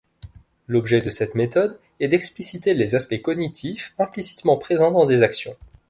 L'objet de cette méthode est d'expliciter les aspects cognitifs implicitement présents dans des actions.